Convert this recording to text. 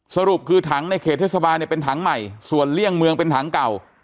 สรุปคือถังในเขตเทศบาลเนี่ยเป็นถังใหม่ส่วนเลี่ยงเมืองเป็นถังเก่า